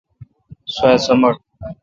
سوا سمٹ